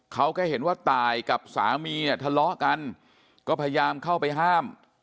เขาก็เห็นว่าตายกับสามีเนี่ยทะเลาะกันก็พยายามเข้าไปห้าม